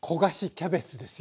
キャベツですよ。